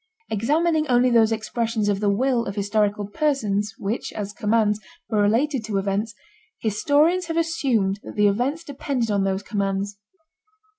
Examining only those expressions of the will of historical persons which, as commands, were related to events, historians have assumed that the events depended on those commands.